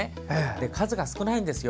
数が少ないんですよ。